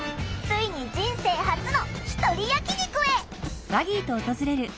ついに人生初のひとり焼き肉へ！